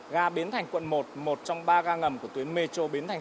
ga biến thành quận một một trong ba ga ngầm của tuyến metro bến thành